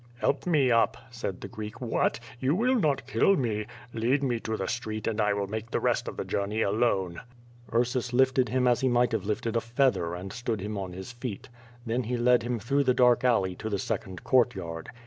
"Help me up," said the Greek. "What! you will not kill me? Lead me to the street and I will make the rest of the journey alone." Ursus lifted him as he might have lifted a feather and stood him on his feet. Then he led him through the dark alley to the second courtyard.